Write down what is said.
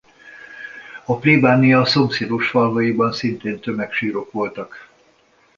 A plébánia szomszédos falvaiban szintén tömegsírok voltak.